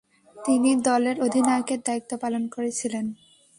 তিনি দলের অধিনায়কের দায়িত্ব পালন করেছিলেন।